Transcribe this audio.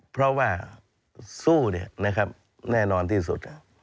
เพราะว่าสู้แน่นอนที่สุด